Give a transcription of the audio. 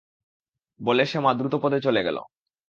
বলে শ্যামা দ্রুতপদে চলে গেল।